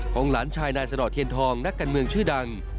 หลานชายนายสนอเทียนทองนักการเมืองชื่อดัง